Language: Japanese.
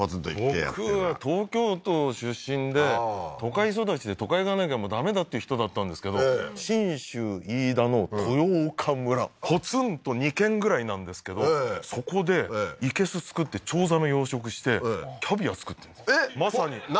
僕は東京都出身で都会育ちで都会がなきゃダメだっていう人だったんですけど信州飯田の豊丘村ポツンと２軒ぐらいなんですけどそこで生けす作ってチョウザメ養殖してキャビア作ってるんですえっ何？